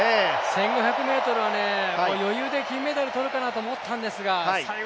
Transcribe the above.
１５００ｍは余裕で金メダル取るかなと思ったんですが最後